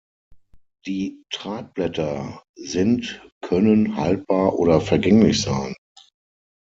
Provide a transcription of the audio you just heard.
Die Tragblätter sind können haltbar oder vergänglich sein.